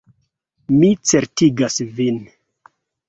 Mi certigas vin.